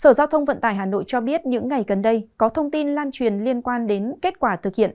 sở giao thông vận tải hà nội cho biết những ngày gần đây có thông tin lan truyền liên quan đến kết quả thực hiện